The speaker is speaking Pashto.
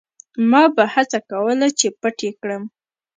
ما به هڅه کوله چې پټ یې کړم.